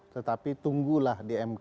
tetapi tunggulah di mk